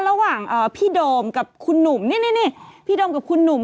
ระหว่างพี่โดมกับคุณหนุ่มนี่พี่โดมกับคุณหนุ่ม